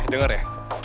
eh denger ya